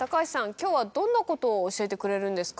今日はどんなことを教えてくれるんですか？